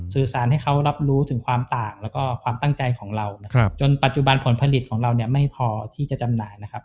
สื่อสารให้เขารับรู้ถึงต่างและความตั้งใจของเราจนปัจจุบันผลผลิตของเราไม่พอที่จะจำหน่ายนะครับ